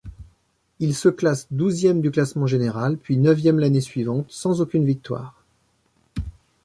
Il se classe douzième du classement général puis neuvième l'année suivante, sans aucune victoire.